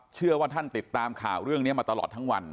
เชื่อว่าท่านติดตามข่าวเรื่องนี้มาตลอดทั้งวัน